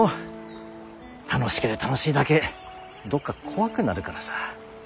楽しけりゃ楽しいだけどっか怖くなるからさ。